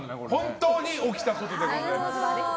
本当に起きたことでございます。